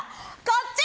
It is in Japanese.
こっち！